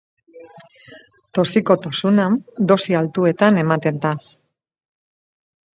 Toxikotasuna, dosi altuetan ematen da.